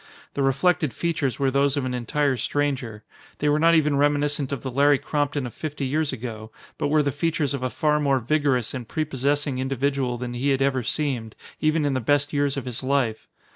The reflected features were those of an entire stranger. They were not even reminiscent of the Larry Crompton of fifty years ago, but were the features of a far more vigorous and prepossessing individual than he had ever seemed, even in the best years of his life.